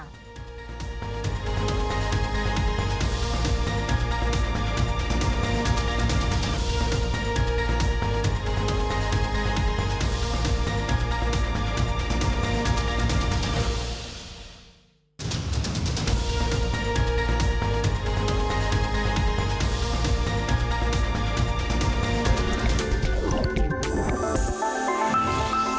โปรดติดตามตอนต่อไป